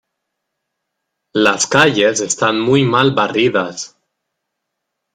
Las calles están muy mal barridos.